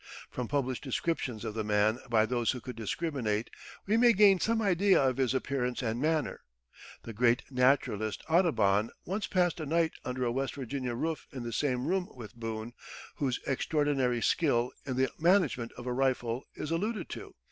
From published descriptions of the man by those who could discriminate, we may gain some idea of his appearance and manner. The great naturalist Audubon once passed a night under a West Virginia roof in the same room with Boone, whose "extraordinary skill in the management of a rifle" is alluded to.